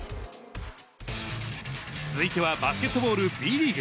続いてはバスケットボールＢリーグ。